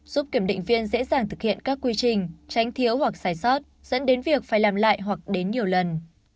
giúp kiểm định viên dễ dàng thực hiện các quy trình tránh thiếu hoặc giải sót dẫn đến việc phải làm lại hoặc đến nhiều lần